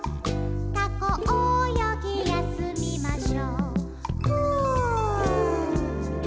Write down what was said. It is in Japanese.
「タコおよぎやすみましょうフ」